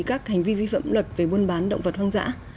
các hành vi vi phạm luật về buôn bán động vật hoang dã